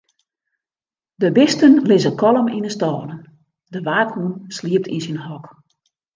De bisten lizze kalm yn 'e stâlen, de waakhûn sliept yn syn hok.